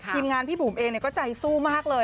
ทีมงานพี่บุ๋มเองก็ใจสู้มากเลย